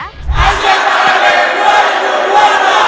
asia tenggara dua ribu dua puluh dua